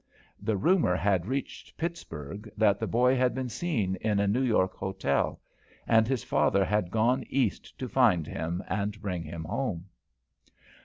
The rumour had reached Pittsburgh that the boy had been seen in a New York hotel, and his father had gone East to find him and bring him home.